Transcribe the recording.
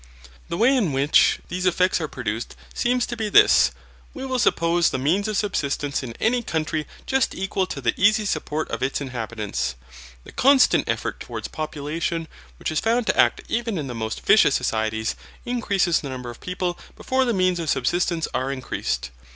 The way in which, these effects are produced seems to be this. We will suppose the means of subsistence in any country just equal to the easy support of its inhabitants. The constant effort towards population, which is found to act even in the most vicious societies, increases the number of people before the means of subsistence are increased.